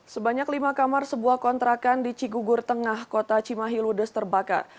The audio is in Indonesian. sebanyak lima kamar sebuah kontrakan di cigugur tengah kota cimahi ludes terbakar